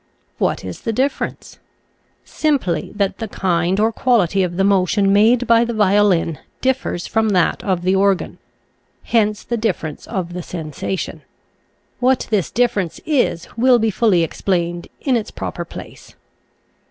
What is the difference? Simply that the kind or quality of the motion made by the violin differs from that of the organ; hence the difference of the sensation. What this dif ference is will be fully explained in its proper place.